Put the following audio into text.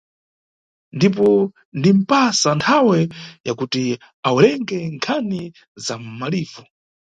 Ndipo ndinimʼpasa nthawe ya kuti awerenge nkhani za mʼmalivu.